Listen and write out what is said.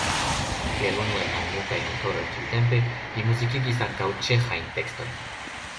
Kiel unu el malmultaj aŭtoroj tiutempe li muzikigis ankaŭ ĉeĥajn tekstojn.